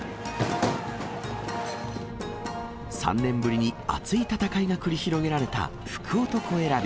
３年ぶりに熱い戦いが繰り広げられた福男選び。